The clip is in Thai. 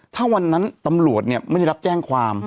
ถ้าวันนั้นตำรวจไม่ได้รับแจ้งความ